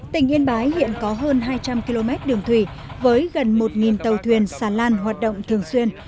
tỉnh yên bái hiện có hơn hai trăm linh km đường thủy với gần một tàu thuyền sàn lan hoạt động thường xuyên